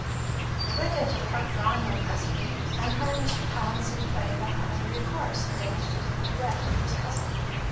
They went into the front drawing room presently, and heard Mr. Pallinson play the "Hallelujah Chorus," arranged as a duet, with his cousin.